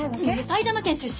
埼玉県出身